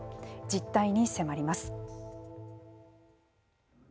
実態に迫ります。